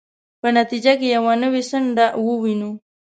په نتیجه کې یوه نوې څنډه ووینو.